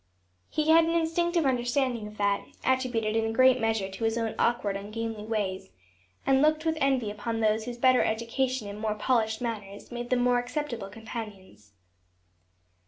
He had an instinctive understanding of that, attributed it in a great measure, to his own awkward, ungainly ways, and looked with envy upon those whose better education and more polished manners made them more acceptable companions.